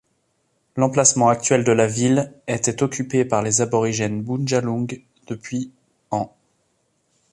L'emplacement actuel de la ville était occupé par les aborigènes Bundjalung depuis ans.